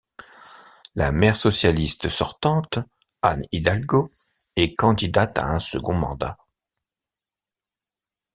La maire socialiste sortante, Anne Hidalgo, est candidate à un second mandat.